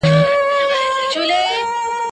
ځاله د زمرو سوه په نصیب د سورلنډیو٫